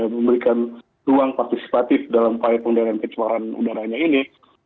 memberikan ruang partisipatif dalam upaya pengendalian kecewaan udaranya ini